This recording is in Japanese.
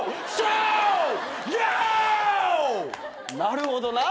なるほどな。